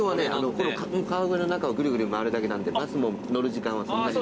この川越の中をぐるぐる回るだけなんでバスも乗る時間はそんなに。